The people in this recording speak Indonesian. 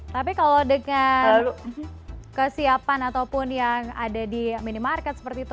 tapi kalau dengan kesiapan ataupun yang ada di minimarket seperti itu